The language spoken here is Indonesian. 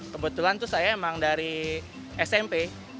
kebetulan tuh saya emang dari smp